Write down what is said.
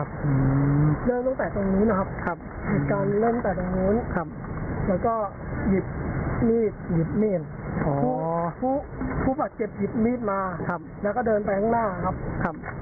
ผู้ปัจเจ็บมีดซ์มาแล้วก็เดินไปข้างหน้าครับ